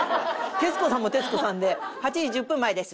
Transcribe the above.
徹子さんも徹子さんで「８時１０分前です」。